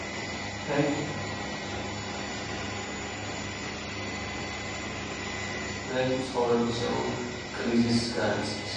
ფრენკი ცხოვრებისეულ კრიზისს განიცდის.